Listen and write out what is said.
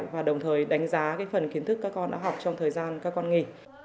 và đồng thời đánh giá phần kiến thức các con đã học trong thời gian các con nghỉ